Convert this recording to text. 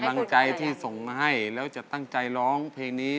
กำลังใจที่ส่งมาให้แล้วจะตั้งใจร้องเพลงนี้